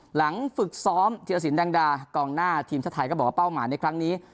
หลังฝึกซ้อมธีรสินแดงดากองหน้าทีมชาติไทยก็บอกว่าเป้าหมายในครั้งนี้